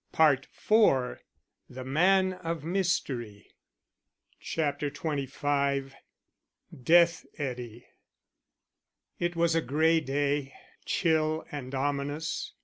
PART IV The Man of Mystery CHAPTER XXV DEATH EDDY It was a gray day, chill and ominous.